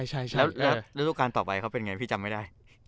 แล้วฤดูการต่อไปเขาเป็นไงพี่จำไม่ได้